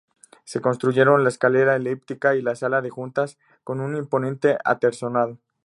Se construyeron la escalera elíptica y la sala de juntas con un imponente artesonado.